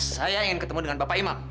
saya ingin ketemu dengan bapak imam